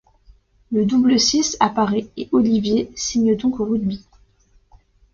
Le double six apparaît et Olivier signe donc au rugby.